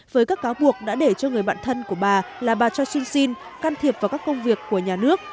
với các cáo buộc đã để cho người bạn thân của bà là bà cho shinzin can thiệp vào các công việc của nhà nước